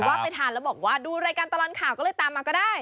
ว่าไปทานแล้วบอกว่าดูรายการตลอดข่าวก็เลยตามมาก็ได้